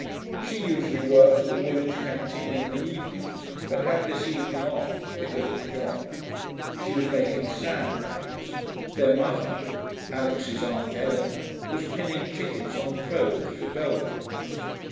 She usually worked at the Woolwich canteen in the evenings, but had this evening off, because of John. She was making sand bags. Their mother, Alix's aunt Eleanor, was pinning tickets on clothes for Belgians.